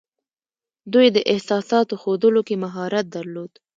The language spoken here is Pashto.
دوی د احساساتو ښودلو کې مهارت درلود